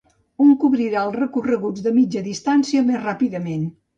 Un cobrirà els recorreguts de mitja distància més ràpidament.